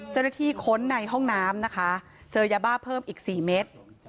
ค้นในห้องน้ำนะคะเจอยาบ้าเพิ่มอีก๔เมตร